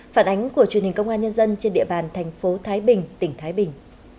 phản ánh của truyền hình công an nhân dân trên địa bàn thành phố thái bình tỉnh thái bình